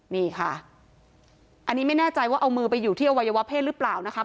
นี่ค่ะอันนี้ไม่แน่ใจว่าเอามือไปอยู่ที่อวัยวะเพศหรือเปล่านะครับ